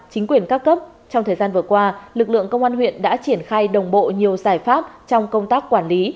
chính quyền các cấp trong thời gian vừa qua lực lượng công an huyện đã triển khai đồng bộ nhiều giải pháp trong công tác quản lý